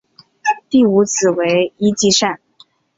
第五子为尹继善。